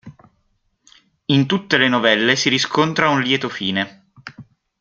In tutte le novelle si riscontra un lieto fine.